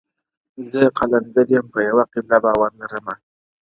زه قلندر یم په یوه قبله باور لرمه-